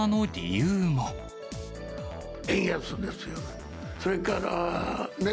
円安ですよね。